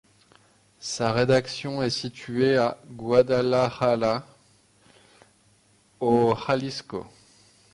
Sa rédaction est située à Guadalajara, au Jalisco.